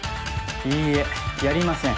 いいえやりません。